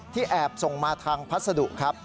แอบส่งมาทางพัสดุครับ